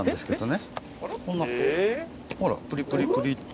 こんなほらプリプリプリ。